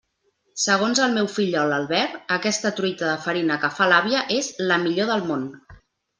Segons el meu fillol Albert, aquesta truita de farina que fa l'àvia és «la millor del món».